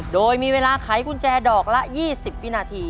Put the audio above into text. โดยมีเวลาไขกุญแจดอกละ๒๐วินาที